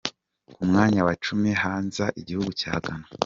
Ku mwanya wa cumi haza igihugu cya Ghana.